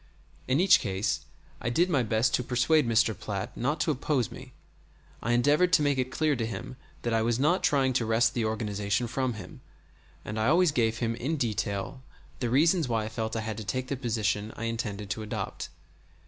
In each case I did my best to persuade Mr. Platt not to oppose me. I endeavored to make it clear to him that I was not trying to wrest the organization from him; and I always gave him in detail the reasons why I felt I had to take the position I intended to adopt.